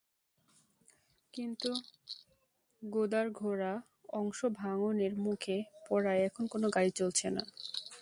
কিন্তু গোদারগোড়া অংশ ভাঙনের মুখে পড়ায় এখন কোনো গাড়ি চলছে না।